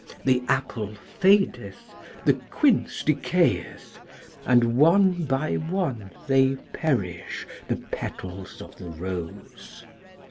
The apple fadeth, the quince decayeth, and one by one they perish, the petals of the rose.